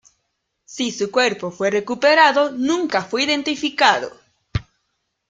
Si su cuerpo fue recuperado, nunca fue identificado.